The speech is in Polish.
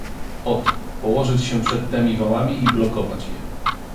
"Ot, położyć się przed temi wałami i blokować je."